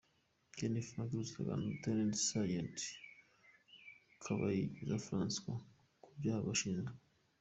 Gen. Frank Rusagara na Rtd Sgt Kabayiza Francois ku byaha bashinjwa .